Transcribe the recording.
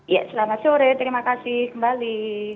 ya selamat sore terima kasih kembali